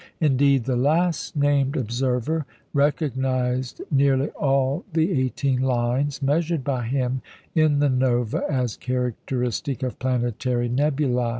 Indeed, the last named observer recognised nearly all the eighteen lines measured by him in the Nova as characteristic of planetary nebulæ.